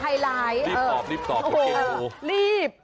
หายไหลท์